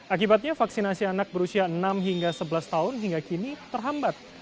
akibatnya vaksinasi anak berusia enam hingga sebelas tahun hingga kini terhambat